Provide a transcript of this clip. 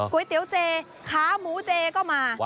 ๋เตี๋ยวเจขาหมูเจก็มา